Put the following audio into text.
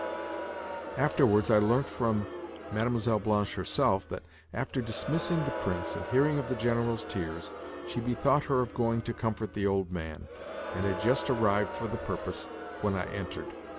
Afterwards I learnt from Mlle. Blanche herself that, after dismissing the Prince and hearing of the General's tears, she bethought her of going to comfort the old man, and had just arrived for the purpose when I entered.